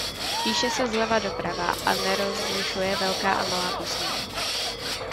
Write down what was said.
Píše se zleva doprava a nerozlišuje velká a malá písmena.